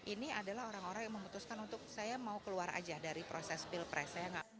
ini adalah orang orang yang memutuskan untuk saya mau keluar aja dari proses pilpres